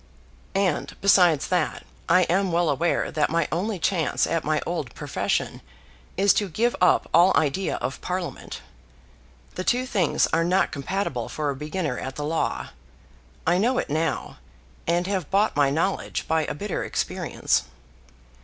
"And, besides that, I am well aware that my only chance at my old profession is to give up all idea of Parliament. The two things are not compatible for a beginner at the law. I know it now, and have bought my knowledge by a bitter experience."